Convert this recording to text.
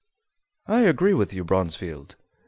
"I agree with you, Bronsfield.